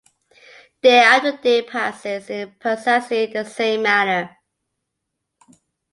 Day after day passes in precisely the same manner.